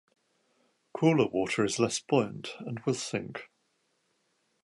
Cooler water is less buoyant and will sink.